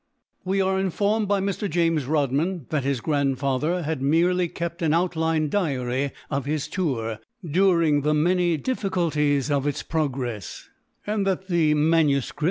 We are informed by Mr. James Rodman, that his grandfather had merely kept an outline diary of his tour, during the many difficulties of its progress; and that the MSS.